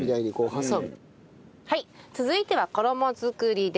はい続いては衣作りです。